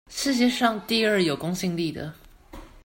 世界上第二有公信力的